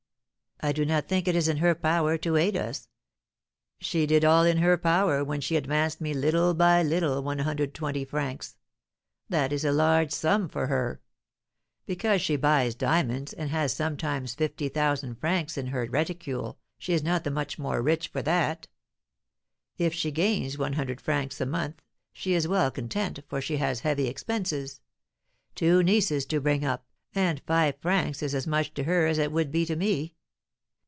"I do not think it is in her power to aid us. She did all in her power when she advanced me little by little 120 francs. That is a large sum for her. Because she buys diamonds, and has sometimes 50,000 francs in her reticule, she is not the more rich for that. If she gains 100 francs a month, she is well content, for she has heavy expenses, two nieces to bring up; and five francs is as much to her as it would be to me.